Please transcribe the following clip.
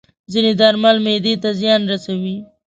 ځینې درمل معده ته زیان رسوي.